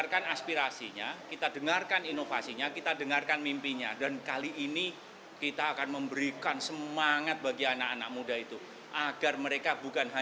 fondasi ekosistem bumn melakukan inkubasi terhadap anak anak milenial generasi muda